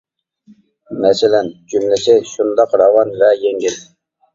مەسىلەن، جۈملىسى شۇنداق راۋان ۋە يەڭگىل.